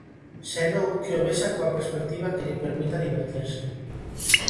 Senón, que o vexa coa perspectiva que lle permita divertirse.